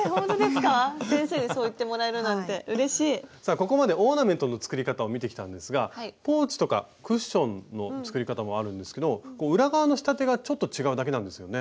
ここまでオーナメントの作り方を見てきたんですがポーチとかクッションの作り方もあるんですけど裏側の仕立てがちょっと違うだけなんですよね。